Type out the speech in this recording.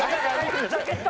ジャケット？